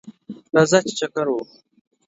راځه ! چې چکر ووهو